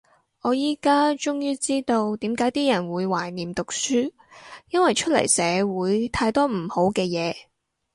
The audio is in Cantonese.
我依家終於知道點解啲人會懷念讀書，因為出嚟社會太多唔好嘅嘢